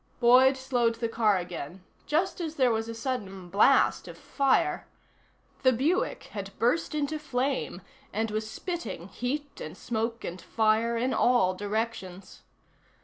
Boyd slowed the car again, just as there was a sudden blast of fire. The Buick had burst into flame and was spitting heat and smoke and fire in all directions.